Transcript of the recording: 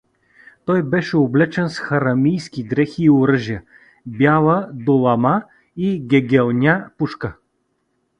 Той беше облечен с харамийски дрехи и оръжия, бяла долама и гегелня пушка.